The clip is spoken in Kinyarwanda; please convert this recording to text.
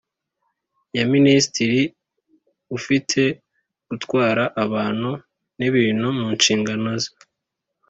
Ya minisitiri ufite gutwara abantu n ibintu mu nshingano ze